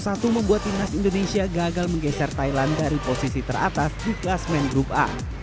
satu membuat timnas indonesia gagal menggeser thailand dari posisi teratas di kelas main grup a